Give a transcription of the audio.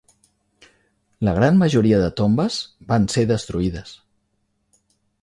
La gran majoria de tombes van ser destruïdes.